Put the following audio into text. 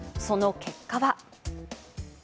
その結果は？